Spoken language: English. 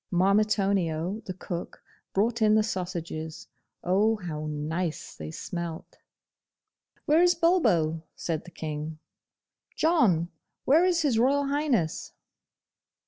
Marmitonio the cook brought in the sausages. Oh, how nice they smelt! 'Where is Bulbo?' said the King. 'John, where is His Royal Highness?